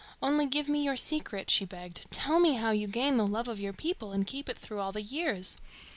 "Only give me your secret," she begged. "Tell me how you gain the love of your people and keep it through all the years.